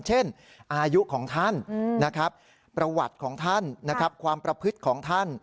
เช่นอายุของท่านประวัติของท่านความประพฤติของท่าน